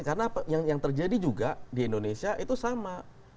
karena yang terjadi juga di indonesia itu sama